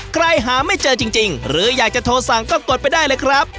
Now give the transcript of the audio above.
ใครหาไม่เจอจริงหรืออยากจะโทรสั่งก็กดไปได้เลยครับ